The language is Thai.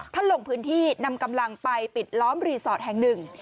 ลงพื้นที่นำกำลังไปปิดล้อมรีสอร์ทแห่งหนึ่ง